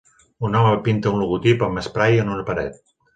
Un home pinta un logotip amb esprai en una paret.